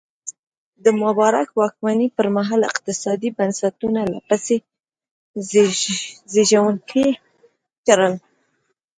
د مبارک واکمنۍ پرمهال اقتصادي بنسټونه لا پسې زبېښونکي کړل.